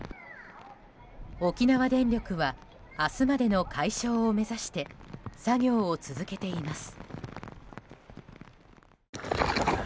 沖縄電力は明日までの解消を目指して作業を続けています。